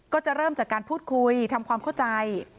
ก็จะเริ่มจากการพูดคุยทำความเข้าใจ